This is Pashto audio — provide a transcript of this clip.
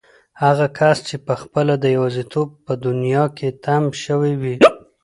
هغه کس چې پخپله د يوازيتوب په دنيا کې تم شوی وي.